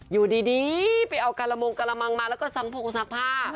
อยู่ดีไปเอาการละมงกระมังมาแล้วก็ซักผงซักผ้า